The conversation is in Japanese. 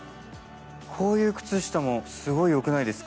こういう靴下もすごいよくないですか？